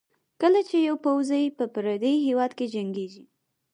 کله چې یو پوځي په پردي هېواد کې جنګېږي.